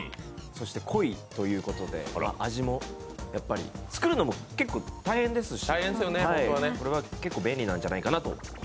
そして濃いということで、味もやっぱり、作るのも結構大変ですし結構便利なんじゃないかなと思います。